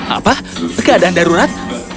apa keadaan darurat